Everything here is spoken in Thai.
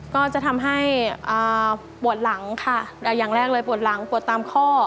ก็จะทำให้ปวดหลังค่ะอย่างแรกเลยปวดหลังปวดตามข้อ